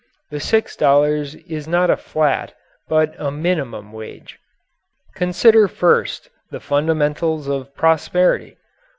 The six dollars is not a flat but a minimum wage. Consider first the fundamentals of prosperity.